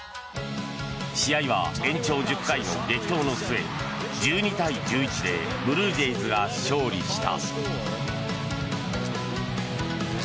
試合は延長１０回の激闘の末１２対１１でブルージェイズが勝利した。